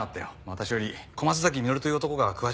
私より小松崎実という男が詳しいだろうね。